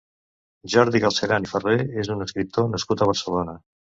Jordi Galceran i Ferrer és un escriptor nascut a Barcelona.